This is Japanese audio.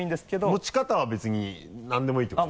持ち方は別になんでもいいってこと？